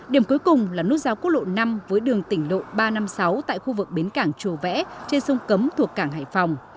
điểm cuối cùng là nút giao quốc lộ năm với đường tỉnh lộ ba trăm năm mươi sáu tại khu vực bến cảng chùa vẽ trên sông cấm thuộc cảng hải phòng